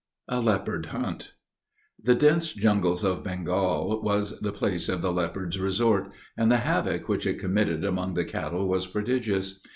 A LEOPARD HUNT. The dense jungles of Bengal was the place of the leopard's resort, and the havoc which it committed among the cattle was prodigious.